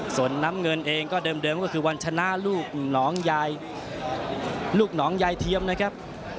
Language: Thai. ส่วนน้ำเงินเองก็เดิมก็คือวันชนะลูกน้องยายเทียมนะครับ